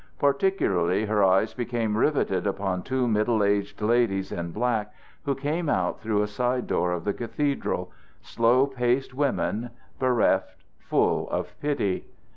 Particularly her eyes became riveted upon two middle aged ladies in black who came out through a side door of the cathedral slow paced women, bereft, full of pity.